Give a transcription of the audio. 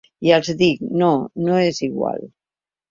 I els dic: No, no és igual.